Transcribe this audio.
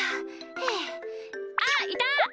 ふあっいた！